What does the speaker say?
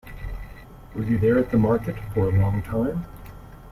Were you there at the market for a long time?